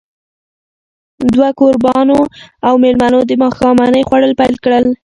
دوه کوربانو او مېلمنو د ماښامنۍ خوړل پيل کړل.